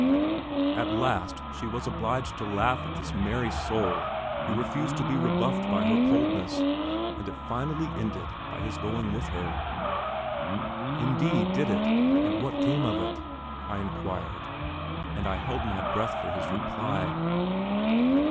At last she was obliged to laugh at this merry soul who refused to be rebuffed by her coldness, and it finally ended by his going with her. "Indeed, did it? and what came of it?" I inquired; and I held my breath for his reply.